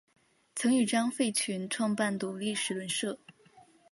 曾与张佛泉创办独立时论社。